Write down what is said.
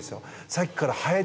さっきからハエ。